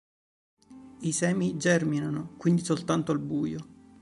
I semi germinano quindi soltanto al buio.